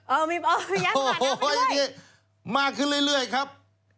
เออมีรถยนต์บาหนะไปด้วยมาขึ้นเรื่อยครับ